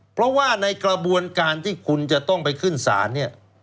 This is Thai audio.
เพราะว่าในกระบวนการที่คุณจะต้องไปขึ้นศาลเนี่ย